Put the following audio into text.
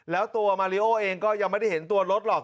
แล้วตัวมาริโอเองก็ยังไม่ได้เห็นตัวรถหรอก